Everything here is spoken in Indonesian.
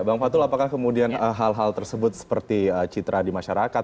bang fatul apakah kemudian hal hal tersebut seperti citra di masyarakat